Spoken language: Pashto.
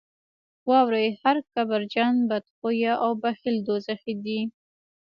واورئ هر کبرجن، بدخویه او بخیل دوزخي دي.